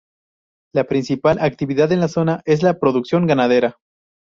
La principal actividad en la zona es la producción ganadera.